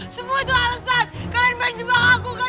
semua itu alasan kalian berjebak aku kan